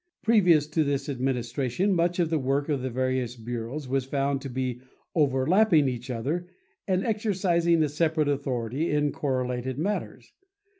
Previous to this administration much of the work of the various bureaus was found to be overlapping each other and exercising a separate authority in correlated matters.